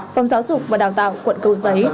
phòng giáo dục và đào tạo quận cầu giấy